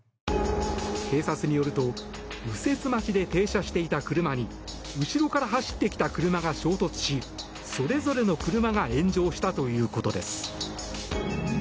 警察によると右折待ちで停車していた車に後ろから走ってきた車が衝突しそれぞれの車が炎上したということです。